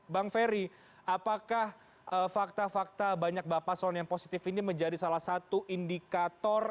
bang ferry apakah fakta fakta banyak bapak paslon yang positif ini menjadi salah satu indikator